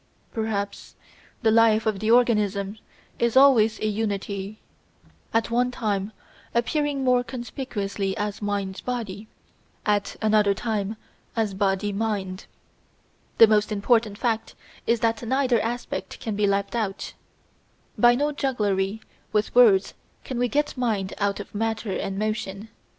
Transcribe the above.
Perhaps the life of the organism is always a unity, at one time appearing more conspicuously as Mind body, at another time as Body mind. The most important fact is that neither aspect can be left out. By no jugglery with words can we get Mind out of Matter and Motion.